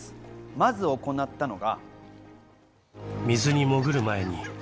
まず行ったのが。